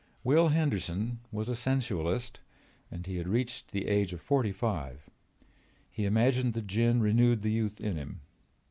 Will Henderson was a sensualist and had reached the age of forty five. He imagined the gin renewed the youth in him.